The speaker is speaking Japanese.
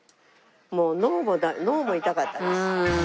もう脳も脳も痛かったです。